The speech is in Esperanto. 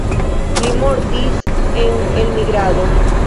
Li mortis en elmigrado.